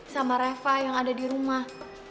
sama reva yang ada di rumah